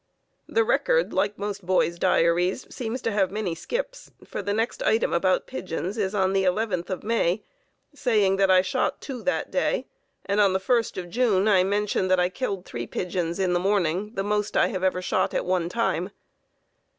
The record, like most boys' diaries, seems to have many skips, for the next item about pigeons is on the 11th of May, saying that I shot 2 that day and on the 1st of June I mention that I killed 3 pigeons in the morning, "the most I ever have shot at one time."